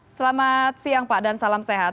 selamat siang pak dan salam sehat